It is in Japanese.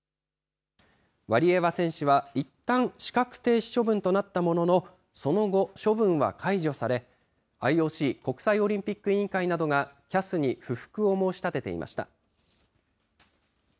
ワリエワ選手はいったん、資格停止処分となったものの、その後、処分は解除され、ＩＯＣ・国際オリンピック委員会などがＣＡＳに不服を申し立てていました。